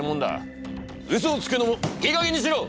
うそをつくのもいいかげんにしろ！